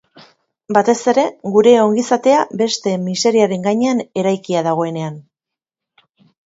Batez ere, gure ongizatea besteen miseriaren gainean eraikia dagoenean.